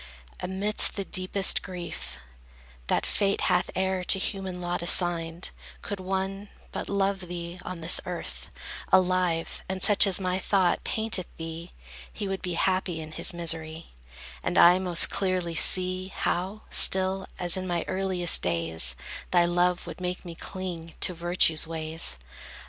Amidst the deepest grief That fate hath e'er to human lot assigned, Could one but love thee on this earth, Alive, and such as my thought painteth thee, He would be happy in his misery: And I most clearly see, how, still, As in my earliest days, Thy love would make me cling to virtue's ways.